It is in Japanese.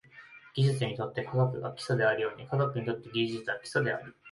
技術にとって科学が基礎であるように、科学にとって技術は基礎であり、